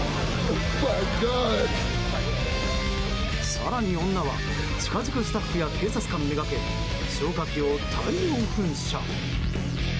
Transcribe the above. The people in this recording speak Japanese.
更に女は近づくスタッフや警察官目掛け消火器を大量噴射。